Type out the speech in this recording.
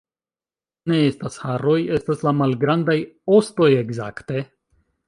Ne estas haroj... estas la malgrandaj... ostoj, ekzakte